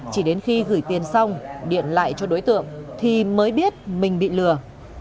chỉ đến khi gửi tiền xong điện lại cho đối tượng thì mới biết mình bị lừa